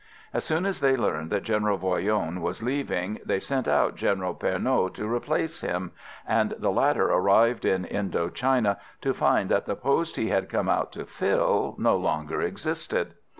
As soon as they learned that General Voyron was leaving, they sent out General Pernot to replace him, and the latter arrived in Indo China to find that the post he had come out to fill, no longer existed.